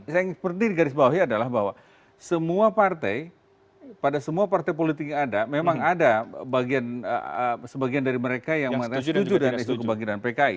yang seperti digarisbawahi adalah bahwa semua partai pada semua partai politik yang ada memang ada sebagian dari mereka yang mengatakan setuju dengan isu kebangkitan pki